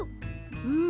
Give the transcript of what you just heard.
うん。